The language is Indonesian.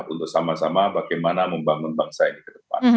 untuk sama sama bagaimana membangun bangsa ini ke depan